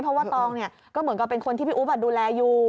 เพราะว่าตองเนี่ยก็เหมือนกับเป็นคนที่พี่อุ๊บดูแลอยู่